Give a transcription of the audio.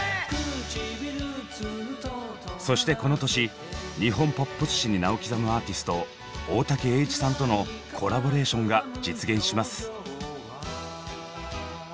そしてこの年日本ポップス史に名を刻むアーティスト大滝詠一さんとのコラボレーションが実現します。